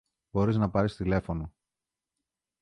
μπορείς να πάρεις τηλέφωνο